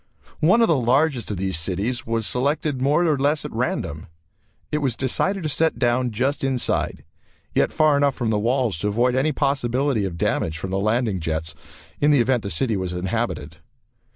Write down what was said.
One of the largest of these cities was selected more or less at random. It was decided to set down just outside, yet far enough from the walls to avoid any possibility of damage from the landing jets in the event the city was inhabited.